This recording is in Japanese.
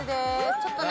ちょっとね。